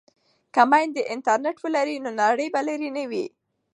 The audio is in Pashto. که میندې انټرنیټ ولري نو نړۍ به لرې نه وي.